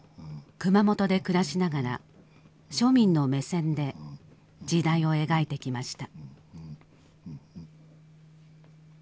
熊本で暮らしながら庶民の目線で時代を描いてきました。